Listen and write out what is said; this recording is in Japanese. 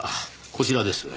こちらです。